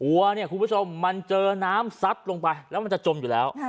วัวเนี่ยคุณผู้ชมมันเจอน้ำซัดลงไปแล้วมันจะจมอยู่แล้ว